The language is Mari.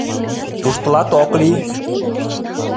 Туш тылат ок лий!